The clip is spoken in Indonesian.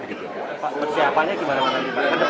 pak persiapannya gimana